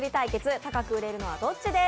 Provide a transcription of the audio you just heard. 高く売れるのはどっちです。